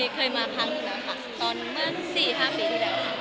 ก็ไม่รู้ว่าจะได้เปล่า